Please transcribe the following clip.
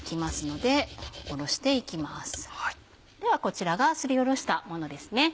ではこちらがすりおろしたものですね。